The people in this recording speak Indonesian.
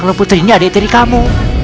kalau putri ini adik tiri kamu